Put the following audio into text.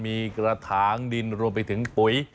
มีกระถางดินรวมไปถึงปุ๋ย